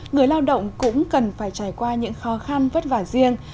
người lao động cũng cần phải trải qua những khó khăn vất vả riêng